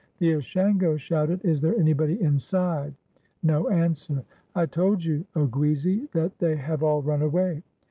The Ashango shouted, "Is there anybody inside?" No answer. "I told you, Oguizi, that they have all run away."